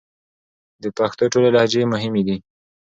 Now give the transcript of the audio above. د پښتو ټولې لهجې مهمې دي